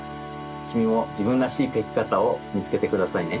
きみもじぶんらしい描きかたをみつけてくださいね。